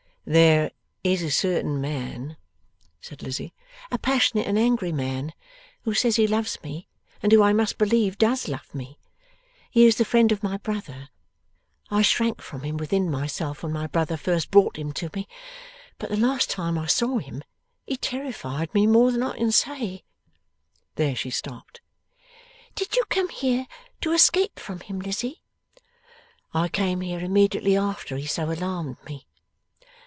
'There is a certain man,' said Lizzie, 'a passionate and angry man, who says he loves me, and who I must believe does love me. He is the friend of my brother. I shrank from him within myself when my brother first brought him to me; but the last time I saw him he terrified me more than I can say.' There she stopped. 'Did you come here to escape from him, Lizzie?' 'I came here immediately after he so alarmed me.